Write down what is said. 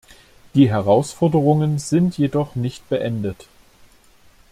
Die Herausforderungen sind jedoch nicht beendet.